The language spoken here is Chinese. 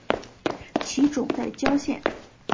其冢在谯县。